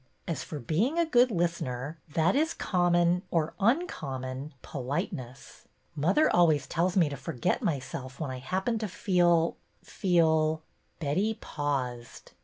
As for being a good listener, that is common — or uncommon — po liteness. Mother always tells me to forget my self when I happen to feel — feel —" Betty paused.